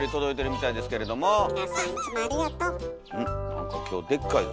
なんか今日でっかいぞ。